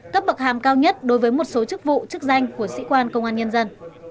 cấp bậc hàm cao nhất đối với một số chức vụ chức danh của sĩ quan công an nhân dân